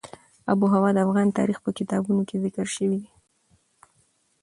آب وهوا د افغان تاریخ په کتابونو کې ذکر شوی دي.